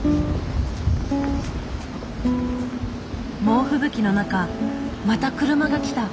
猛吹雪の中また車が来た。